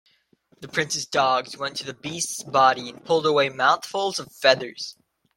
The Prince's dogs went to the beast's body and pulled away mouthfuls of feathers.